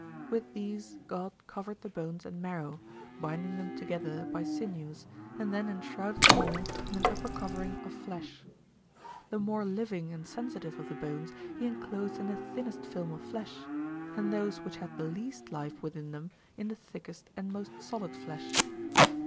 With these God covered the bones and marrow, binding them together by sinews, and then enshrouded them all in an upper covering of flesh. The more living and sensitive of the bones he enclosed in the thinnest film of flesh, and those which had the least life within them in the thickest and most solid flesh.